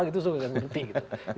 itu sudah saya ngerti